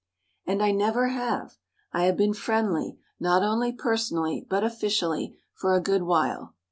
And I never have. I have been friendly, not only personally, but officially, for a good while.